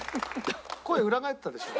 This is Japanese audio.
声裏返ったでしょ？